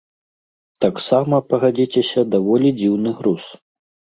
Таксама, пагадзіцеся, даволі дзіўны груз.